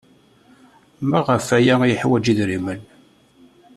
Maɣef ay yeḥwaj idrimen?